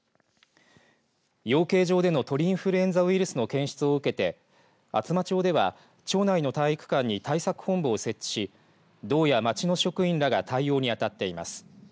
養鶏場での鳥インフルエンザウイルスの検出を受けて厚真町では、町内の体育館に対策本部を設置し道や町の職員らが対応に当たっています。